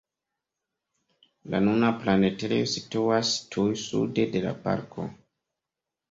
La nuna planetario situas tuj sude de la parko.